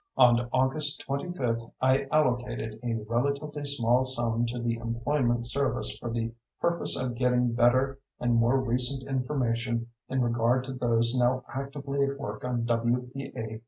On August 25th I allocated a relatively small sum to the employment service for the purpose of getting better and more recent information in regard to those now actively at work on W.P.A.